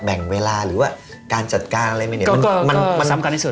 แบ่งเวลาหรือว่าการจัดการอะไรไหมเนี่ย